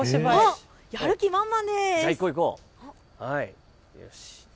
やる気満々です。